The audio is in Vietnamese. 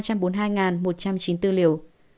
mũi hai là tám ba trăm bốn mươi hai một trăm chín mươi bốn liều